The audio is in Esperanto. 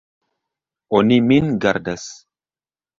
Oni min gardas.